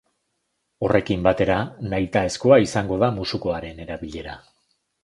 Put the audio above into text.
Horrekin batera, nahitaezkoa izango da musukoaren erabilera.